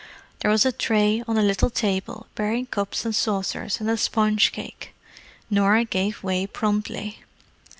There was a tray on a little table, bearing cups and saucers and a spongecake. Norah gave way promptly.